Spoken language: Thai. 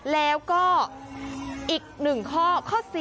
แล้วก็อีก๑ข้อข้อ๔